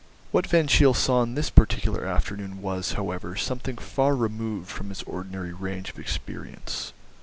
What Van Cheele saw on this particular afternoon was, however, something far removed from his ordinary range of experience.